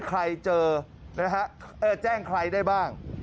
ใครเจอนะฮะแจ้งใครได้บ้าง